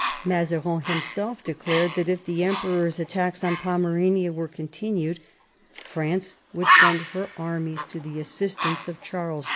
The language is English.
Mazarin himself declared that if the Emperor's attacks on Pomerania were con tinued France would send her armies to the assistance of Charles X.